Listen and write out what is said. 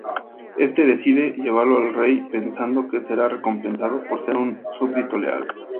Este decide llevarlo al rey, pensando que será recompensado por ser un súbdito leal.